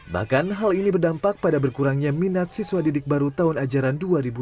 bahkan hal ini berdampak pada berkurangnya minat siswa didik baru tahun ajaran dua ribu dua puluh